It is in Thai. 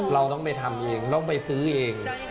เราไปซื้อเอง